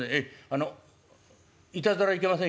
あのいたずらはいけませんよ。